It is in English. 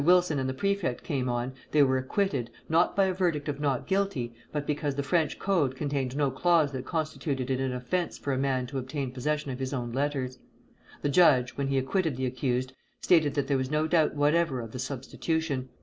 Wilson and the prefect came on, they were acquitted, not by a verdict of Not Guilty, but because the French Code contained no clause that constituted it an offence for a man to obtain possession of his own letters. The judge, when he acquitted the accused, stated that there was no doubt whatever of the substitution.